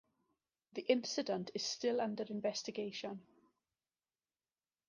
The incident is still under investigation.